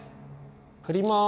振ります。